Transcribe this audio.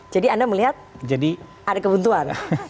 jadi anda melihat ada kebuntuan